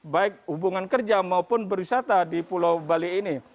baik hubungan kerja maupun berwisata di pulau bali ini